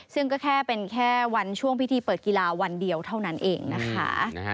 ซึ่งก็แค่เป็นแค่วันช่วงพิธีเปิดกีฬาวันเดียวเท่านั้นเองนะคะ